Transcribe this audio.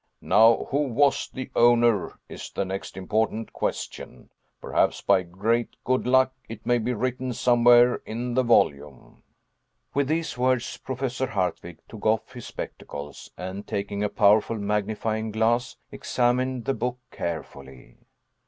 Now who was the owner, is the next important question. Perhaps by great good luck it may be written somewhere in the volume." With these words Professor Hardwigg took off his spectacles, and, taking a powerful magnifying glass, examined the book carefully.